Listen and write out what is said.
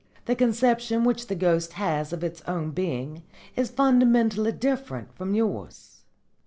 The conception which the ghost has of its own being is fundamentally different from yours.